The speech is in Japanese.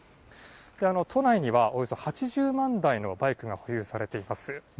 都内には、およそ８０万台のバイクが保有されています。